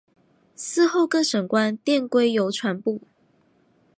嗣后各省官电归邮传部。